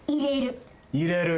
入れる。